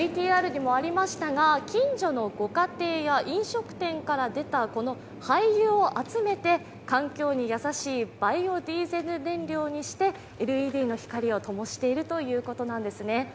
ＶＴＲにもありましたが、近所のご家庭や飲食店から出たこの廃油を集めて環境に優しいバイオディーゼル燃料にしてＬＥＤの光を灯しているということなんですね。